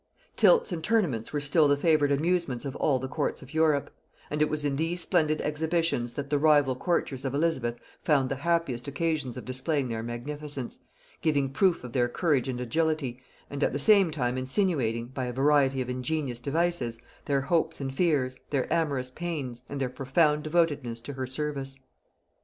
Tilts and tournaments were still the favorite amusements of all the courts of Europe; and it was in these splendid exhibitions that the rival courtiers of Elizabeth found the happiest occasions of displaying their magnificence, giving proof of their courage and agility, and at the same time insinuating, by a variety of ingenious devices, their hopes and fears, their amorous pains, and their profound devotedness to her service.